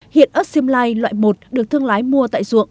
hiện ớt simlay loại một được thương lái mua tại ruộng